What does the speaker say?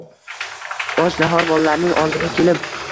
Och-nahor bolalarning oldiga kelib